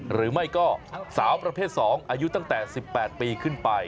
หรือไม่ก็สาวประเภท๒อายุตั้งแต่๑๘ปีขึ้นไป